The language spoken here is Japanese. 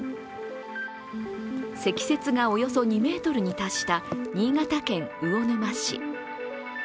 積雪がおよそ２ｍに達した新潟県魚沼市。